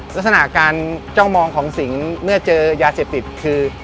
ลักษณะการจ้องมองของสิงเมื่อเจอยาเสพติดคือ